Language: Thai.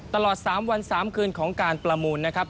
ตลอด๓วัน๓คืนของการประมูลนะครับ